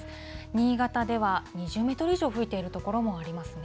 新潟では２０メートル以上吹いている所もありますね。